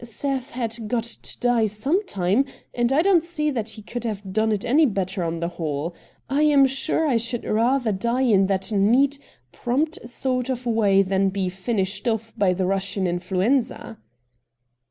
Seth had got to die some time, and I don't see that he could have done it any better on the whole. I am sure I should rather die in that neat, prompt sort of way than be finished off by the Eussian influenza.'